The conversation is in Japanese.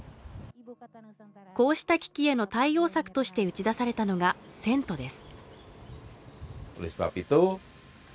こうした危機への対応策として打ち出されたのが、遷都です。